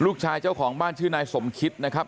ลูกชายเจ้าของบ้านชื่อนายสมคริสนะครับ